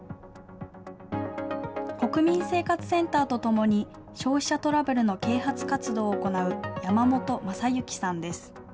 国民生活センターとともに消費者トラブルの啓発活動を行う山本正行さんです。